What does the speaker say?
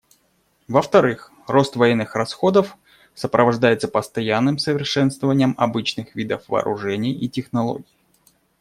Во-вторых, рост военных расходов сопровождается постоянным совершенствованием обычных видов вооружений и технологий.